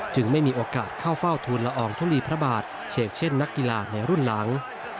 ไม่มีโอกาสเข้าเฝ้าทูลละอองทุลีพระบาทเฉกเช่นนักกีฬาในรุ่นหลัง